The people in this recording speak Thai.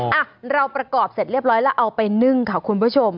อ่ะเราประกอบเสร็จเรียบร้อยแล้วเอาไปนึ่งค่ะคุณผู้ชม